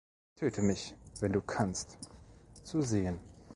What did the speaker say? Töte mich, wenn du kannst" zu sehen.